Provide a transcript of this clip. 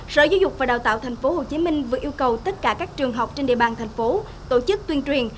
sở giáo dục và đào tạo tp hcm vừa yêu cầu tất cả các trường học trên địa bàn thành phố tổ chức tuyên truyền